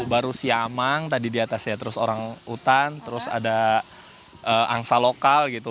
baru siamang tadi di atas ya terus orang hutan terus ada angsa lokal gitu